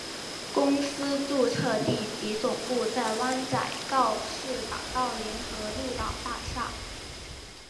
公司注册地及总部在湾仔告士打道联合鹿岛大厦。